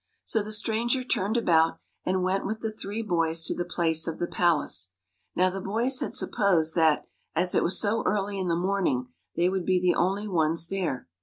So the stranger turned about and went with the three boys to the place of the palace. Now the boys had supposed that, as it was so early in the morning, they would be the only ones there.